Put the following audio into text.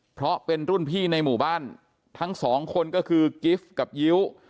เพราะเป็นรุ่นพี่ในหมู่บ้านทั้งสองคนก็คือกิฟต์กับยิ้ว